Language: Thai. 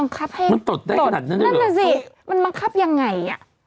ก็บังคับให้ไหน